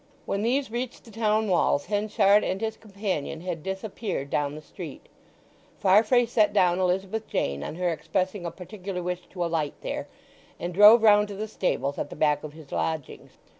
When these reached the town walls Henchard and his companion had disappeared down the street; Farfrae set down Elizabeth Jane on her expressing a particular wish to alight there, and drove round to the stables at the back of his lodgings.